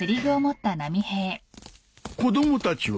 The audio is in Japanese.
子供たちは？